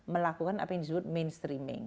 melakukan apa yang disebut mainstreaming